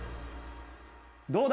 どうだ？